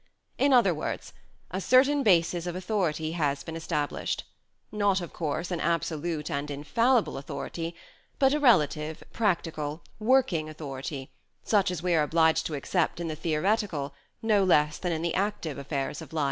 In other words, a certain basis of authority has been established : not, of course, an absolute and infallible authority, but a relative, practical, working authority such as we are obliged to accept in the theoretical no less than in the active affairs of life.